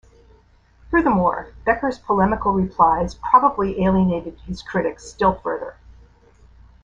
Furthermore Becker's polemical replies probably alienated his critics still further.